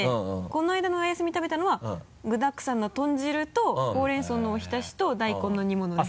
このあいだのお休み食べたのは具だくさんの豚汁とほうれん草のおひたしと大根の煮物です。